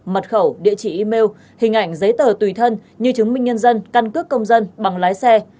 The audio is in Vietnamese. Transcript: mật khẩu địa chỉ email hình ảnh giấy tờ tùy thân như chứng minh nhân dân căn cước công dân bằng lái xe